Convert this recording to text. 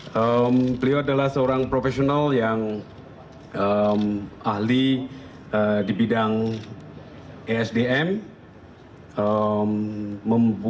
beliau adalah seorang profesional yang ahli di bidang esdm